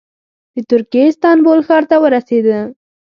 د ترکیې استانبول ښار ته ورسېده.